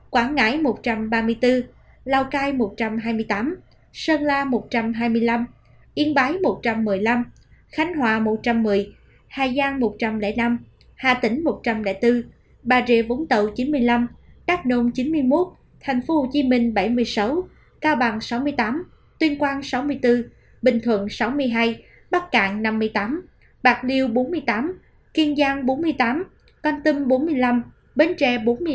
quảng ngãi một trăm ba mươi bốn lào cai một trăm hai mươi tám sơn la một trăm hai mươi năm yên bái một trăm một mươi năm khánh hòa một trăm một mươi hải giang một trăm linh năm hà tĩnh một trăm linh bốn bà rịa vũng tậu chín mươi năm đắk nôn chín mươi một thành phố hồ chí minh bảy mươi sáu cao bằng sáu mươi tám tuyên quang sáu mươi bốn bình thuận sáu mươi hai bắc cạn năm mươi tám bạc liêu bốn mươi tám kiên giang bốn mươi tám con tâm bốn mươi năm bến tre bốn mươi ba